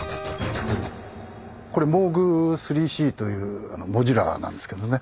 これＭＯＯＧ３−Ｃというモジュラーなんですけどね